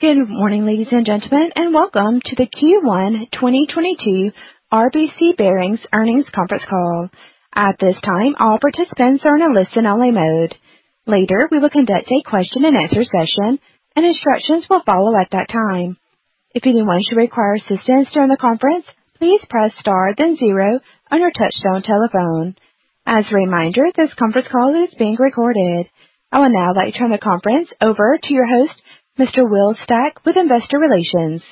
Good morning, ladies and gentlemen, and welcome to the Q1 2022 RBC Bearings earnings conference call. At this time, all participants are in a listen-only mode. Later, we will conduct a question-and-answer session, and instructions will follow at that time. If anyone should require assistance during the conference, please press star then zero on your touch-tone telephone. As a reminder, this conference call is being recorded. I will now like to turn the conference over to your host, Mr. Will Stack, with Investor Relations.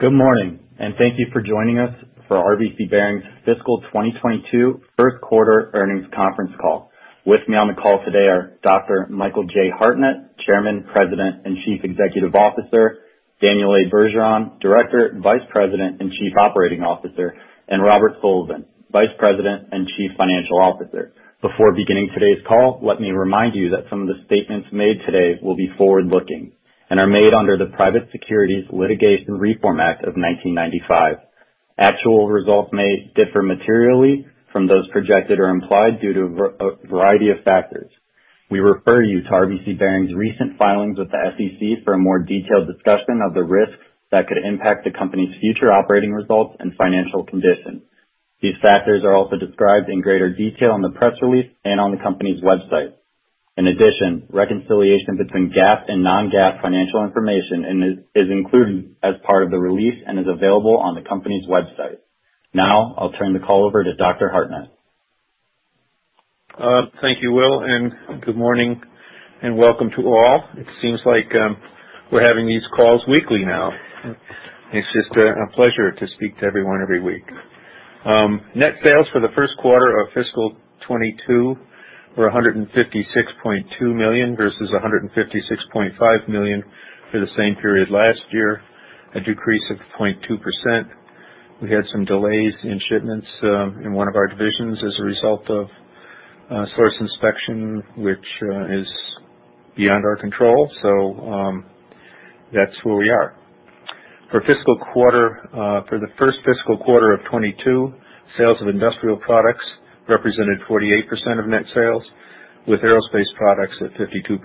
Good morning, and thank you for joining us for RBC Bearings' fiscal 2022 first quarter earnings conference call. With me on the call today are Dr. Michael J. Hartnett, Chairman, President, and Chief Executive Officer. Daniel A. Bergeron, Director, Vice President, and Chief Operating Officer. And Robert Sullivan, Vice President and Chief Financial Officer. Before beginning today's call, let me remind you that some of the statements made today will be forward-looking and are made under the Private Securities Litigation Reform Act of 1995. Actual results may differ materially from those projected or implied due to a variety of factors. We refer you to RBC Bearings' recent filings with the SEC for a more detailed discussion of the risks that could impact the company's future operating results and financial conditions. These factors are also described in greater detail in the press release and on the company's website. In addition, reconciliation between GAAP and Non-GAAP financial information is included as part of the release and is available on the company's website. Now I'll turn the call over to Dr. Hartnett. Thank you, Will, and good morning and welcome to all. It seems like we're having these calls weekly now, and it's just a pleasure to speak to everyone every week. Net sales for the first quarter of fiscal 2022 were $156.2 million versus $156.5 million for the same period last year, a decrease of 0.2%. We had some delays in shipments in one of our divisions as a result of Source Inspection, which is beyond our control, so that's where we are. For the first fiscal quarter of 2022, sales of industrial products represented 48% of net sales, with aerospace products at 52%.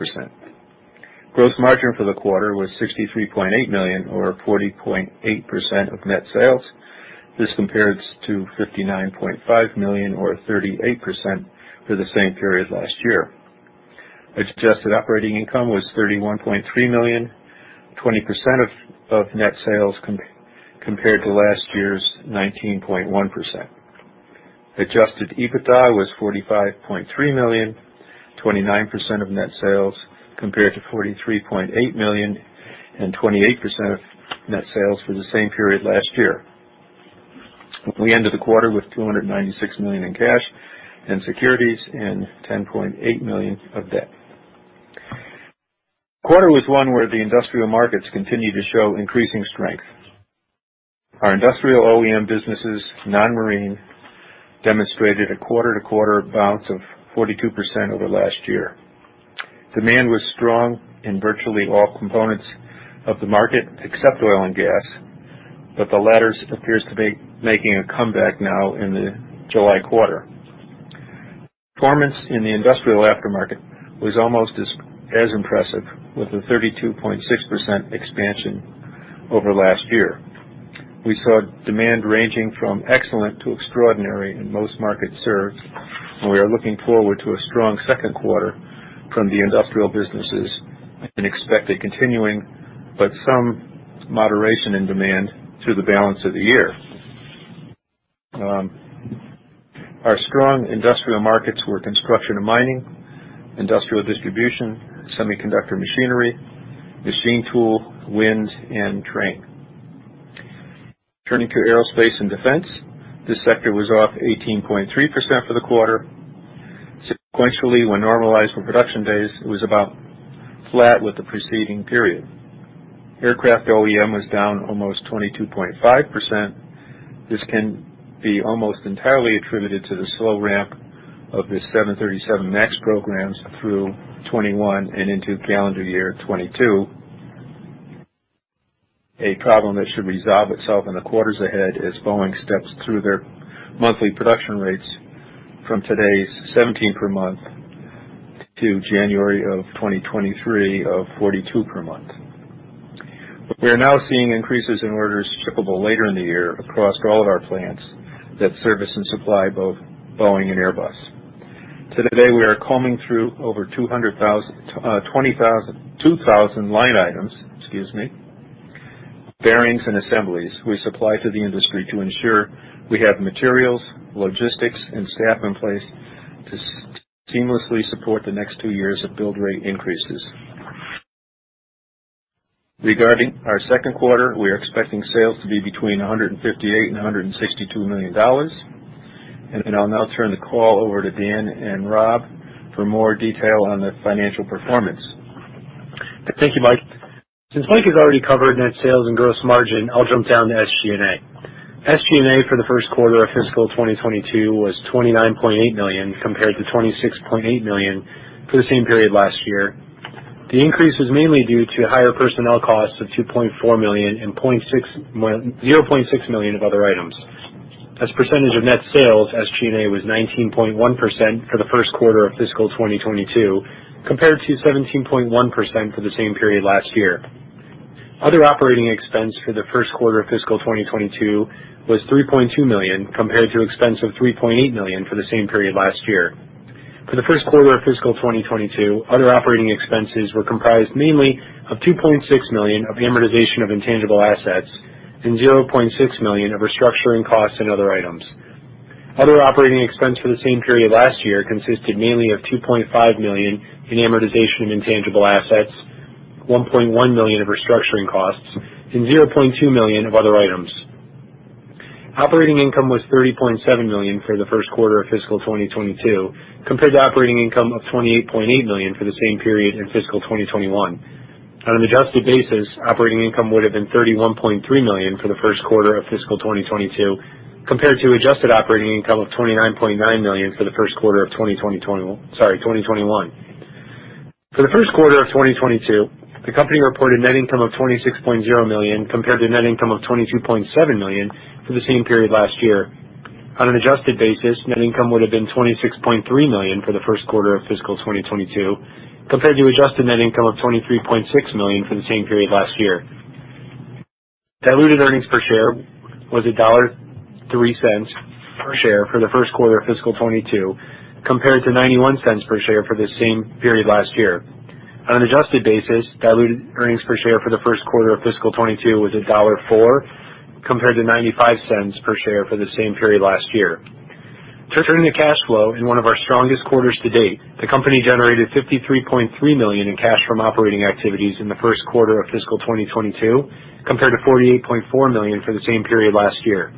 Gross margin for the quarter was $63.8 million or 40.8% of net sales. This compares to $59.5 million or 38% for the same period last year. Adjusted operating income was $31.3 million, 20% of net sales compared to last year's 19.1%. Adjusted EBITDA was $45.3 million, 29% of net sales compared to $43.8 million, and 28% of net sales for the same period last year. We ended the quarter with $296 million in cash and securities and $10.8 million of debt. The quarter was one where the industrial markets continued to show increasing strength. Our industrial OEM businesses, non-marine, demonstrated a quarter-over-quarter bounce of 42% over last year. Demand was strong in virtually all components of the market except oil and gas, but the latter appears to be making a comeback now in the July quarter. Performance in the industrial aftermarket was almost as impressive with a 32.6% expansion over last year. We saw demand ranging from excellent to extraordinary in most markets served, and we are looking forward to a strong second quarter from the industrial businesses and expect a continuing but some moderation in demand through the balance of the year. Our strong industrial markets were construction and mining, industrial distribution, semiconductor machinery, machine tool, wind, and train. Turning to aerospace and defense, this sector was off 18.3% for the quarter. Sequentially, when normalized for production days, it was about flat with the preceding period. Aircraft OEM was down almost 22.5%. This can be almost entirely attributed to the slow ramp of the 737 MAX programs through 2021 and into calendar year 2022, a problem that should resolve itself in the quarters ahead as Boeing steps through their monthly production rates from today's 17 per month to January of 2023 of 42 per month. We are now seeing increases in orders shippable later in the year across all of our plants that service and supply both Boeing and Airbus. Today, we are combing through over 20,000 line items, bearings and assemblies we supply to the industry to ensure we have materials, logistics, and staff in place to seamlessly support the next two years of build rate increases. Regarding our second quarter, we are expecting sales to be between $158 million-$162 million, and I will now turn the call over to Dan and Rob for more detail on the financial performance. Thank you, Mike. Since Mike has already covered net sales and gross margin, I will jump down to SG&A. SG&A for the first quarter of fiscal 2022 was $29.8 million compared to $26.8 million for the same period last year. The increase was mainly due to higher personnel costs of $2.4 million and $0.6 million of other items. As percentage of net sales, SG&A was 19.1% for the first quarter of fiscal 2022 compared to 17.1% for the same period last year. Other operating expense for the first quarter of fiscal 2022 was $3.2 million compared to expense of $3.8 million for the same period last year. For the first quarter of fiscal 2022, other operating expenses were comprised mainly of $2.6 million of amortization of intangible assets and $0.6 million of restructuring costs and other items. Other operating expense for the same period last year consisted mainly of $2.5 million in amortization of intangible assets, $1.1 million of restructuring costs, and $0.2 million of other items. Operating income was $30.7 million for the first quarter of fiscal 2022 compared to operating income of $28.8 million for the same period in fiscal 2021. On an adjusted basis, operating income would have been $31.3 million for the first quarter of fiscal 2022 compared to adjusted operating income of $29.9 million for the first quarter of 2021. For the first quarter of 2022, the company reported net income of $26.0 million compared to net income of $22.7 million for the same period last year. On an adjusted basis, net income would have been $26.3 million for the first quarter of fiscal 2022 compared to adjusted net income of $23.6 million for the same period last year. Diluted earnings per share was $1.03 per share for the first quarter of fiscal 2022 compared to $0.91 per share for the same period last year. On an adjusted basis, diluted earnings per share for the first quarter of fiscal 2022 was $1.04 compared to $0.95 per share for the same period last year. Turning to cash flow in one of our strongest quarters to date, the company generated $53.3 million in cash from operating activities in the first quarter of fiscal 2022 compared to $48.4 million for the same period last year.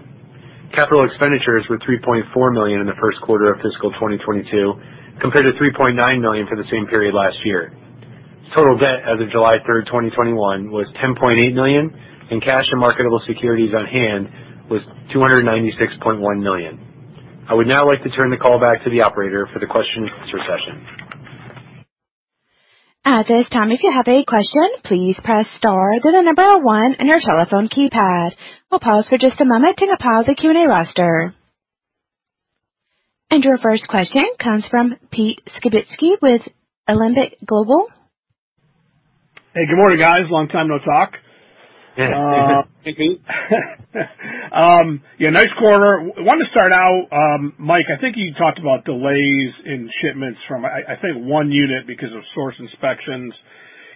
Capital expenditures were $3.4 million in the first quarter of fiscal 2022 compared to $3.9 million for the same period last year. Total debt as of July 3, 2021, was $10.8 million, and cash and marketable securities on hand was $296.1 million. I would now like to turn the call back to the operator for the question-and-answer session. At this time, if you have a question, please press star then the number one on your telephone keypad. We will pause for just a moment to compile the Q&A roster. Your first question comes from Pete Skibitski with Alembic Global Advisors. Hey, good morning, guys. Long time, no talk. Hey, Pete. Yeah, nice quarter. I wanted to start out, Mike, I think you talked about delays in shipments from, I think, one unit because of source inspections.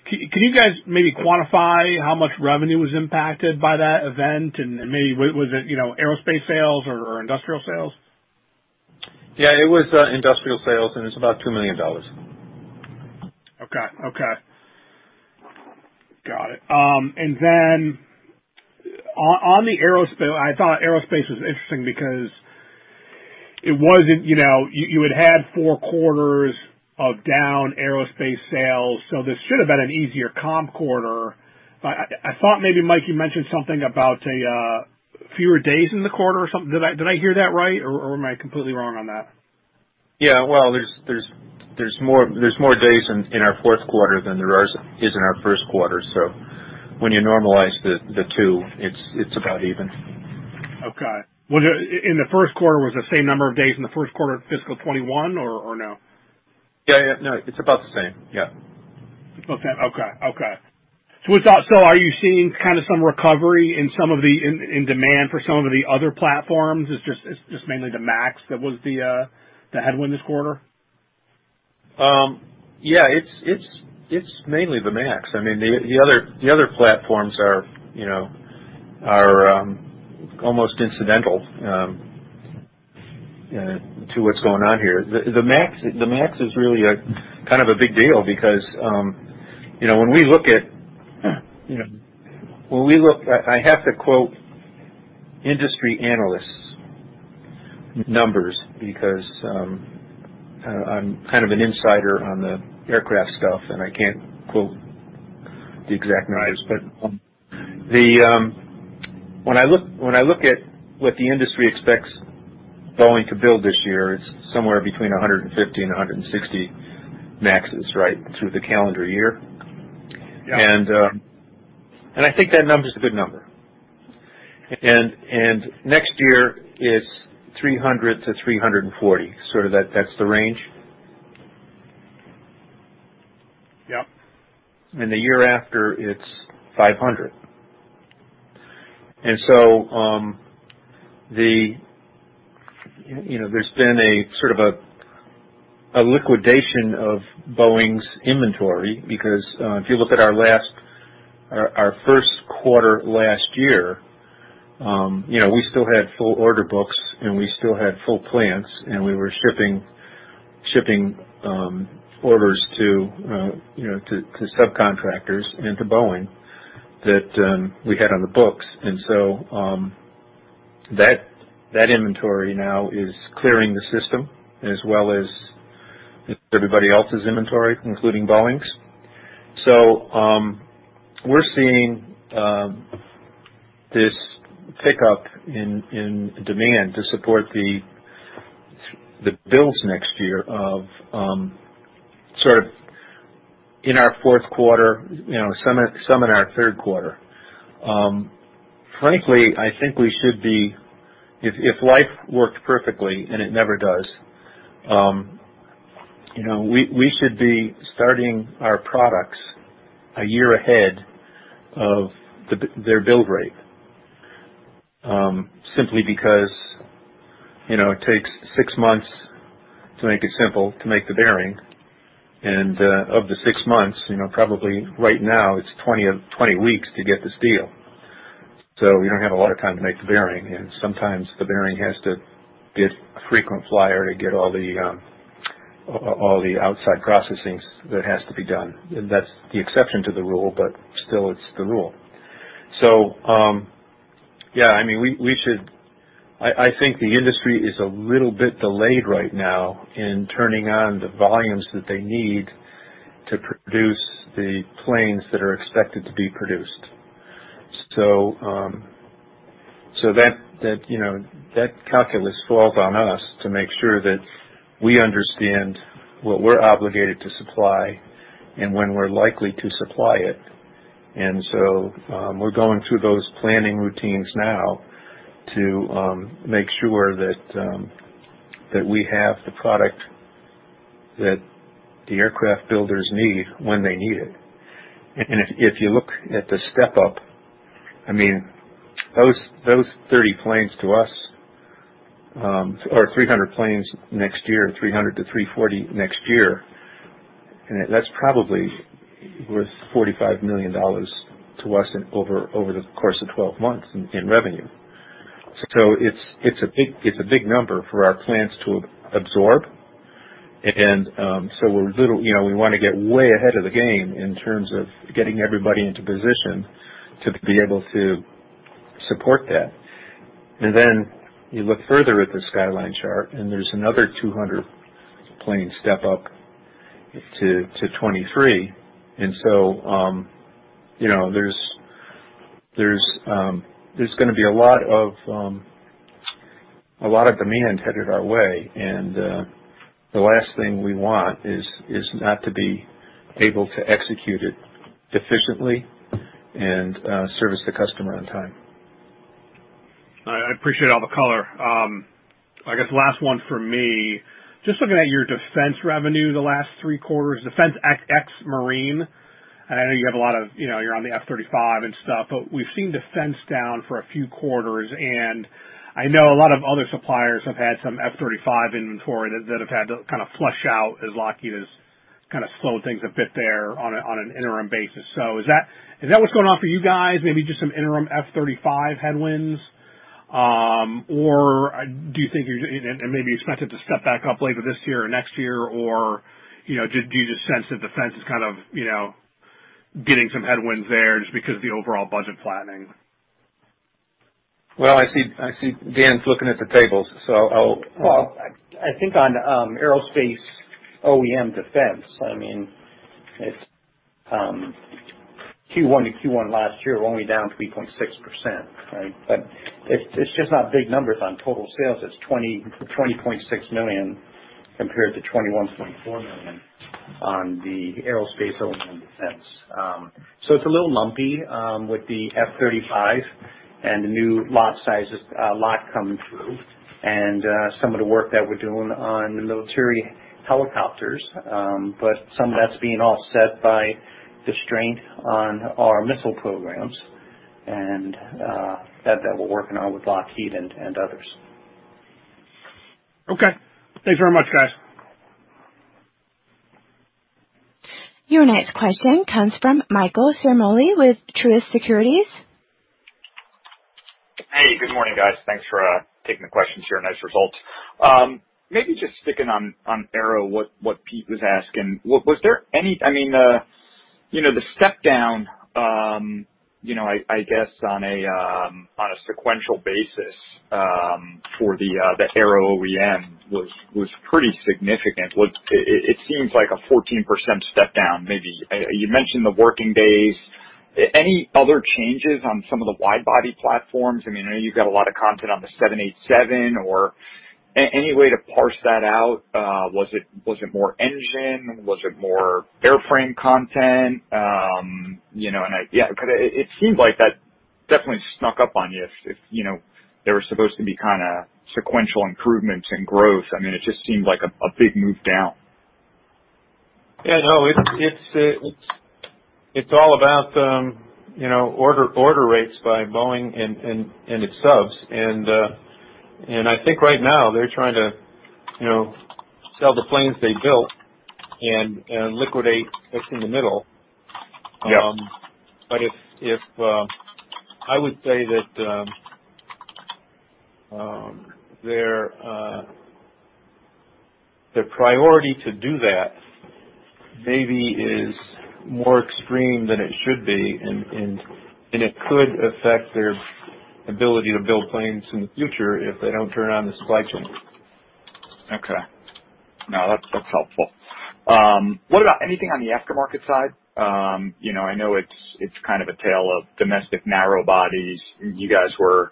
Can you guys maybe quantify how much revenue was impacted by that event, and maybe was it aerospace sales or industrial sales? Yeah, it was industrial sales, and it's about $2 million. Okay, okay. Got it. And then on the aerospace, I thought aerospace was interesting because it wasn't you had had four quarters of down aerospace sales, so this should have been an easier comp quarter. I thought maybe, Mike, you mentioned something about fewer days in the quarter or something. Did I hear that right, or am I completely wrong on that? Yeah, well, there's more days in our fourth quarter than there is in our first quarter, so when you normalize the two, it's about even. Okay. In the first quarter, was the same number of days in the first quarter of fiscal 2021 or no? Yeah, yeah, no, it's about the same. Yeah. Okay, okay. So are you seeing kind of some recovery in demand for some of the other platforms? It's just mainly the MAX that was the headwind this quarter? Yeah, it's mainly the MAX. I mean, the other platforms are almost incidental to what's going on here. The MAX is really kind of a big deal because when we look, I have to quote industry analysts' numbers because I'm kind of an insider on the aircraft stuff, and I can't quote the exact numbers. But when I look at what the industry expects Boeing to build this year, it's somewhere between 150-160 MAXs through the calendar year, and I think that number is a good number. And next year, it's 300-340, sort of that's the range. And the year after, it's 500. And so there's been sort of a liquidation of Boeing's inventory because if you look at our first quarter last year, we still had full order books, and we still had full plants, and we were shipping orders to subcontractors and to Boeing that we had on the books. And so that inventory now is clearing the system as well as everybody else's inventory, including Boeing's. So we're seeing this pickup in demand to support the builds next year of sort of in our fourth quarter, some in our third quarter. Frankly, I think we should be if life worked perfectly, and it never does, we should be starting our products a year ahead of their build rate simply because it takes six months to make it simple to make the bearing, and of the six months, probably right now, it's 20 weeks to get this deal. So we don't have a lot of time to make the bearing, and sometimes the bearing has to get a frequent flyer to get all the outside processing that has to be done. That's the exception to the rule, but still, it's the rule. So yeah, I mean, we should, I think the industry is a little bit delayed right now in turning on the volumes that they need to produce the planes that are expected to be produced. So that calculus falls on us to make sure that we understand what we're obligated to supply and when we're likely to supply it. And so we're going through those planning routines now to make sure that we have the product that the aircraft builders need when they need it. And if you look at the step-up, I mean, those 30 planes to us or 300 planes next year, 300-340 next year, that's probably worth $45 million to us over the course of 12 months in revenue. So it's a big number for our plants to absorb, and so we're a little we want to get way ahead of the game in terms of getting everybody into position to be able to support that. And then you look further at the skyline chart, and there's another 200-plane step-up to 2023, and so there's going to be a lot of demand headed our way, and the last thing we want is not to be able to execute it efficiently and service the customer on time. I appreciate all the color. I guess last one for me, just looking at your defense revenue the last three quarters, defense ex-Marine, and I know you have a lot of you're on the F-35 and stuff, but we've seen defense down for a few quarters, and I know a lot of other suppliers have had some F-35 inventory that have had to kind of flush out as Lockheed has kind of slowed things a bit there on an interim basis. So is that what's going on for you guys? Maybe just some interim F-35 headwinds, or do you think you're and maybe you expect it to step back up later this year or next year, or do you just sense that defense is kind of getting some headwinds there just because of the overall budget flattening? Well, I see Dan's looking at the tables, so I'll. Well, I think on aerospace OEM defense, I mean, it's Q1 to Q1 last year were only down 3.6%, right? But it's just not big numbers on total sales. It's $20.6 million compared to $21.4 million on the aerospace OEM defense. So it's a little lumpy with the F-35 and the new lot sizes lot coming through and some of the work that we're doing on the military helicopters, but some of that's being offset by the constraint on our missile programs and that we're working on with Lockheed and others. Okay. Thanks very much, guys. Your next question comes from Michael Ciarmoli with Truist Securities. Hey, good morning, guys. Thanks for taking the questions here. Nice results. Maybe just sticking on Aero what Pete was asking, was there any? I mean, the step-down, I guess, on a sequential basis for the Aero OEM was pretty significant. It seems like a 14% step-down maybe. You mentioned the working days. Any other changes on some of the wide-body platforms? I mean, I know you've got a lot of content on the 787, or any way to parse that out? Was it more engine? Was it more airframe content? And yeah, because it seemed like that definitely snuck up on you if there were supposed to be kind of sequential improvements and growth. I mean, it just seemed like a big move down. Yeah, no, it's all about order rates by Boeing and its subs, and I think right now they're trying to sell the planes they built and liquidate what's in the middle. But I would say that their priority to do that maybe is more extreme than it should be, and it could affect their ability to build planes in the future if they don't turn on the supply chain. Okay. No, that's helpful. What about anything on the aftermarket side? I know it's kind of a tale of domestic narrow bodies. You guys were,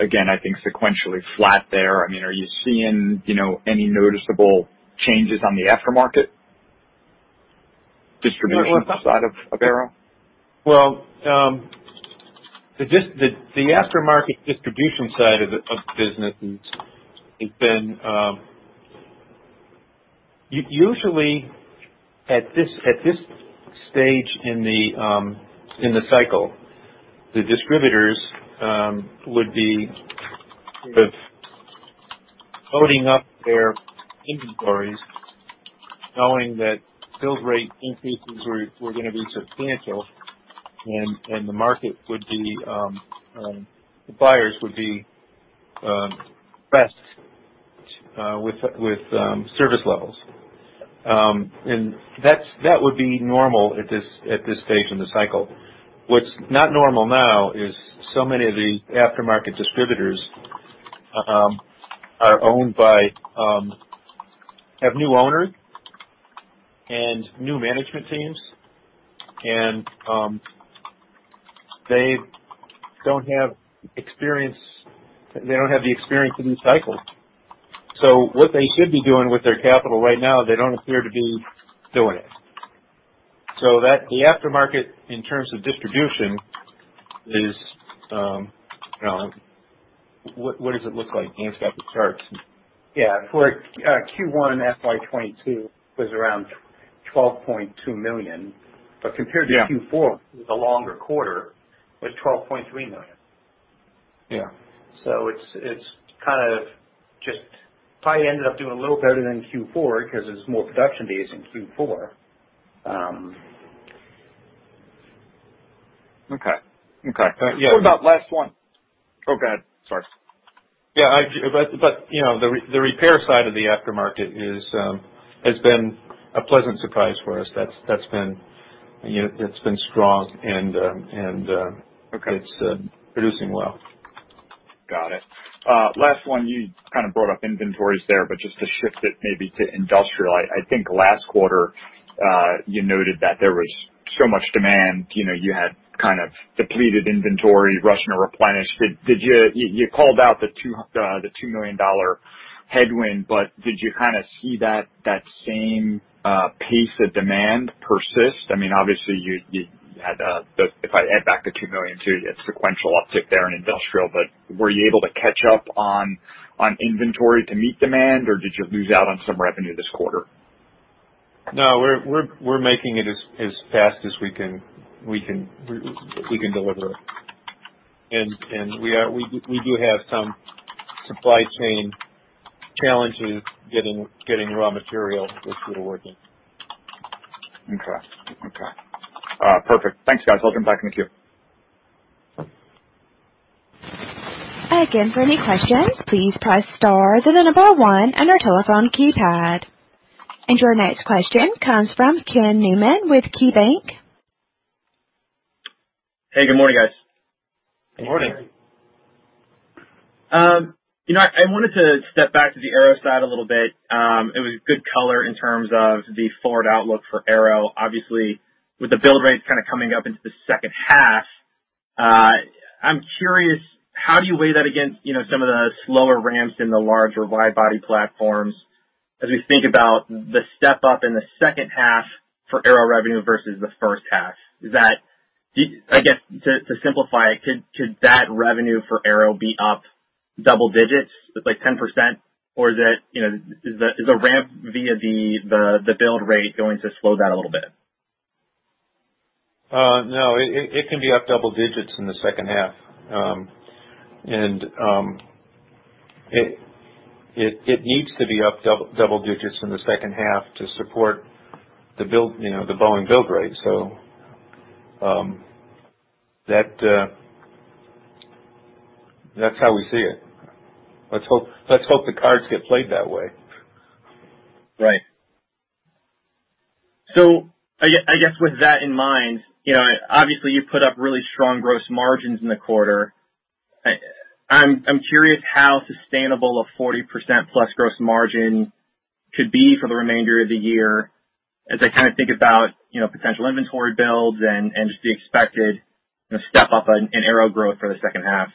again, I think, sequentially flat there. I mean, are you seeing any noticeable changes on the aftermarket distribution side of Aero? Well, the aftermarket distribution side of business has been usually, at this stage in the cycle, the distributors would be sort of loading up their inventories knowing that build rate increases were going to be substantial, and the buyers would be pressed with service levels. That would be normal at this stage in the cycle. What's not normal now is so many of the aftermarket distributors are owned by have new owners and new management teams, and they don't have the experience of this cycle. So what they should be doing with their capital right now, they don't appear to be doing it. So the aftermarket, in terms of distribution, what does it look like? Dan's got the charts. Yeah, for Q1 and FY22, it was around $12.2 million, but compared to Q4, which was a longer quarter, it was $12.3 million. So it's kind of just probably ended up doing a little better than Q4 because it was more production days in Q4. Okay, okay. What about last one? Oh, go ahead. Sorry. Yeah, but the repair side of the aftermarket has been a pleasant surprise for us. It's been strong, and it's producing well. Got it. Last one, you kind of brought up inventories there, but just to shift it maybe to industrial, I think last quarter, you noted that there was so much demand. You had kind of depleted inventory, rushing to replenish. You called out the $2 million headwind, but did you kind of see that same pace of demand persist? I mean, obviously, you had, if I add back the $2 million too, you had sequential uptick there in industrial, but were you able to catch up on inventory to meet demand, or did you lose out on some revenue this quarter? No, we're making it as fast as we can deliver it. We do have some supply chain challenges getting raw material which we're working. Okay, okay. Perfect. Thanks, guys. I'll jump back in the queue. Again, for any questions, please press star one on your telephone keypad. Your next question comes from Ken Newman with KeyBanc. Hey, good morning, guys. Good morning. I wanted to step back to the Aero side a little bit. It was good color in terms of the forward outlook for Aero. Obviously, with the build rates kind of coming up into the second half, I'm curious, how do you weigh that against some of the slower ramps in the large or wide-body platforms as we think about the step-up in the second half for Aero revenue versus the first half? I guess, to simplify it, could that revenue for Aero be up double digits, like 10%, or is the ramp via the build rate going to slow that a little bit? No, it can be up double digits in the second half. It needs to be up double digits in the second half to support the Boeing build rate. That's how we see it. Let's hope the cards get played that way. Right. So I guess with that in mind, obviously, you put up really strong gross margins in the quarter. I'm curious how sustainable a 40%+ gross margin could be for the remainder of the year as I kind of think about potential inventory builds and just the expected step-up in Aero growth for the second half?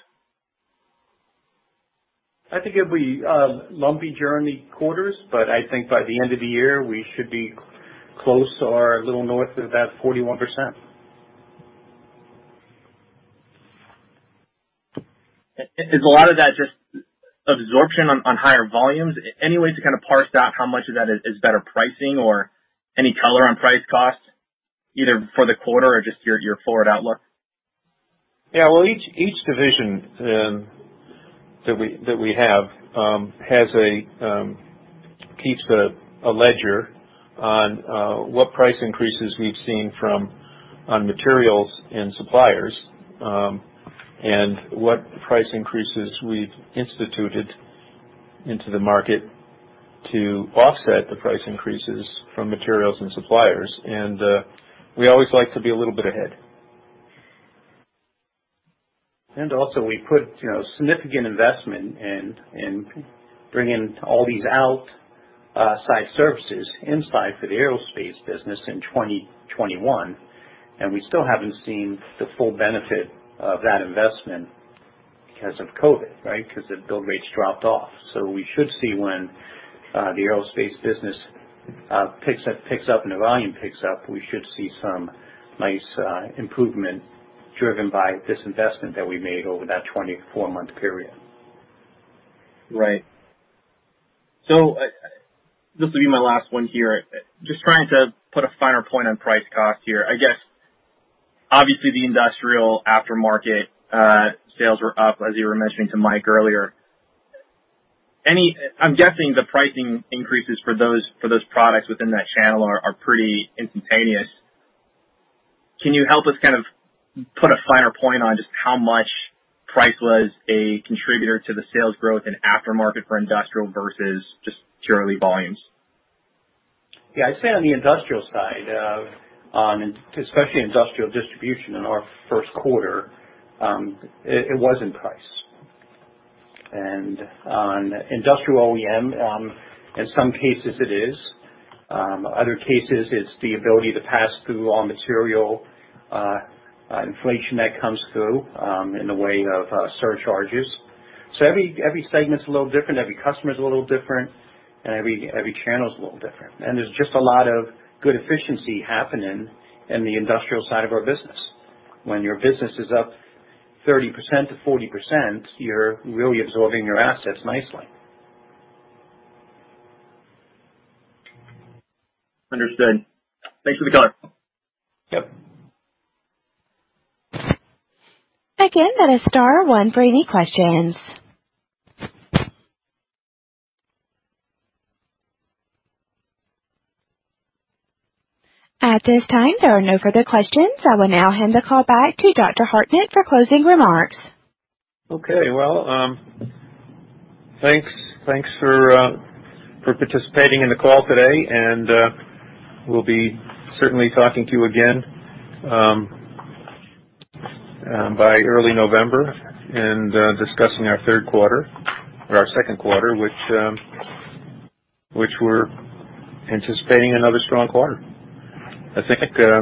I think it'll be a lumpy journey quarters, but I think by the end of the year, we should be close or a little north of that 41%. Is a lot of that just absorption on higher volumes? Any way to kind of parse out how much of that is better pricing or any color on price costs, either for the quarter or just your forward outlook? Yeah, well, each division that we have keeps a ledger on what price increases we've seen on materials and suppliers and what price increases we've instituted into the market to offset the price increases from materials and suppliers. We always like to be a little bit ahead. And also, we put significant investment in bringing all these outside services inside for the aerospace business in 2021, and we still haven't seen the full benefit of that investment because of COVID, right? Because the build rates dropped off. So we should see when the aerospace business picks up and the volume picks up, we should see some nice improvement driven by this investment that we made over that 24-month period. Right. So this will be my last one here. Just trying to put a finer point on price cost here. I guess, obviously, the industrial aftermarket sales were up, as you were mentioning to Mike earlier. I'm guessing the pricing increases for those products within that channel are pretty instantaneous. Can you help us kind of put a finer point on just how much price was a contributor to the sales growth in aftermarket for industrial versus just purely volumes? Yeah, I'd say on the industrial side, especially industrial distribution in our first quarter, it was in price. And on industrial OEM, in some cases, it is. Other cases, it's the ability to pass through raw material inflation that comes through in the way of surcharges. So every segment's a little different. Every customer's a little different, and every channel's a little different. And there's just a lot of good efficiency happening in the industrial side of our business. When your business is up 30%-40%, you're really absorbing your assets nicely. Understood. Thanks for the color. Yep. Again, that is star one for any questions. At this time, there are no further questions. I will now hand the call back to Dr. Hartnett for closing remarks. Okay, well, thanks for participating in the call today, and we'll be certainly talking to you again by early November and discussing our third quarter or our second quarter, which we're anticipating another strong quarter. I think.